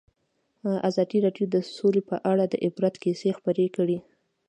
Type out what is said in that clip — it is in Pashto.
ازادي راډیو د سوله په اړه د عبرت کیسې خبر کړي.